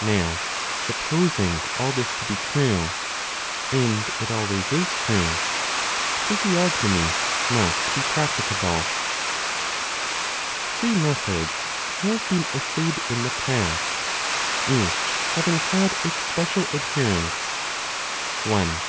Now, supposing all this to be true (and it always is true), physiognomy must be practicable. Three methods have been essayed in the past, each having had its special adherents. 20 i.